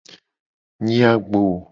Nyi agbo.